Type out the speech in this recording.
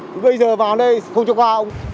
thì bây giờ vào đây không cho qua